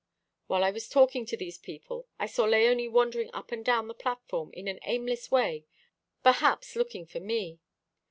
While I was talking to these people I saw Léonie wandering up and down the platform in an aimless way, perhaps looking for me.